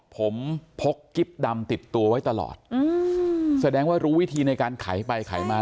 ผมพกกิ๊บดำติดตัวไว้ตลอดอืมแสดงว่ารู้วิธีในการไขไปไขมา